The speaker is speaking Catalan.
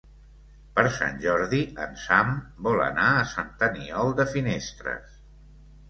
Per Sant Jordi en Sam vol anar a Sant Aniol de Finestres.